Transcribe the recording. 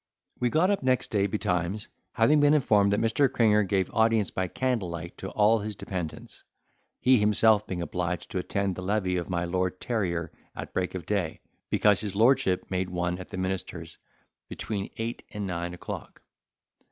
We got up next day betimes, having been informed that Mr. Cringer gave audience by candle light to all his dependents, he himself being obliged to attend the levee of my Lord Terrier at break of day, because his lordship made one at the minister's between eight and nine o'clock.